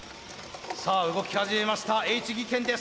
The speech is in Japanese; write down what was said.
さあ動き始めましたＨ技研です。